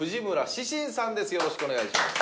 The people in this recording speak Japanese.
よろしくお願いします。